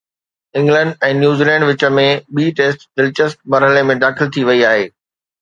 England ۽ New Zealand وچ ۾ ٻي test دلچسپ مرحلي ۾ داخل ٿي وئي آهي